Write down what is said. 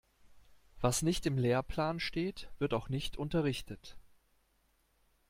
Was nicht im Lehrplan steht, wird auch nicht unterrichtet.